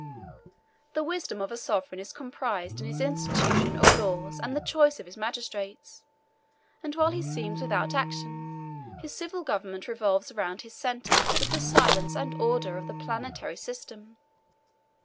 The wisdom of a sovereign is comprised in the institution of laws and the choice of magistrates, and while he seems without action, his civil government revolves round his centre with the silence and order of the planetary system.